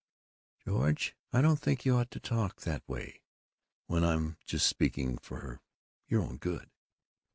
"George, I don't think you ought to talk that way when I'm just speaking for your own good."